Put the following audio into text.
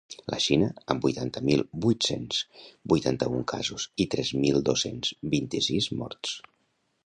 La Xina, amb vuitanta mil vuit-cents vuitanta-un casos i tres mil dos-cents vint-i-sis morts.